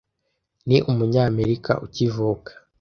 Ni umunyamerika ukivuka.